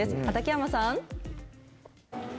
畠山さん。